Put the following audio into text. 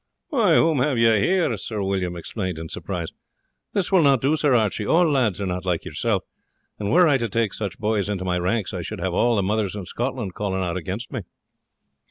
"Why, whom have you here?" Sir William exclaimed in surprise. "This will not do, Sir Archie. All lads are not like yourself, and were I to take such boys into my ranks I should have all the mothers in Scotland calling out against me."